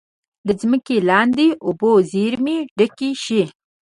د ځمکې لاندې اوبو زیرمې ډکې شي.